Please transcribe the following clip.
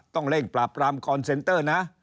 ต้องเร่งปราบปรามคอนเซนเตอร์นะ